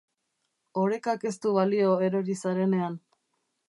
Orekak ez du balio erori zarenean.